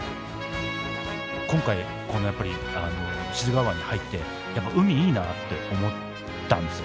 今回やっぱり志津川湾に入って海いいなって思ったんですよ